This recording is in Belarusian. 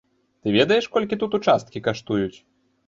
Ты ведаеш, колькі тут участкі каштуюць?